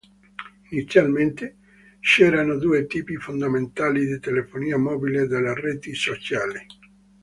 Inizialmente, c'erano due tipi fondamentali di telefonia mobile delle reti sociali.